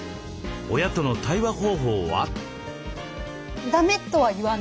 親との対話方法は？